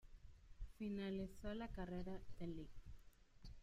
Finalizó la carrera de Lic.